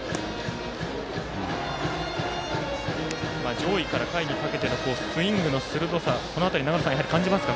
上位から下位にかけてのスイングの鋭さこの辺り、感じますか？